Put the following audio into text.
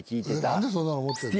何でそんなの持ってんの？